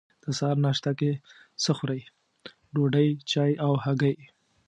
د سهار ناشته کی څه خورئ؟ ډوډۍ، چای او هګۍ